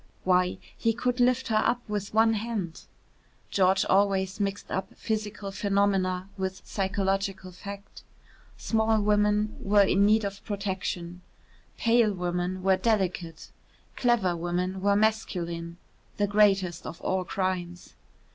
Why, he could lift her up with one hand. George always mixed up physical phenomena with psychological fact. Small women were in need of protection; pale women were delicate; clever women were masculine the greatest of all crimes.